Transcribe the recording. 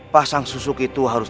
pasang susuk itu harus